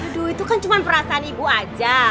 aduh itu kan cuma perasaan ibu aja